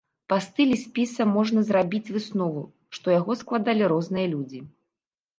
Па стылі спіса можна зрабіць выснову, што яго складалі розныя людзі.